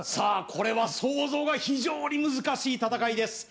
これは想像が非常に難しい戦いです